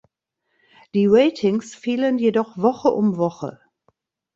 Die Ratings fielen jedoch Woche um Woche.